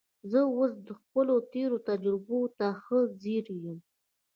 زه اوس خپلو تېرو تجربو ته ښه ځیر یم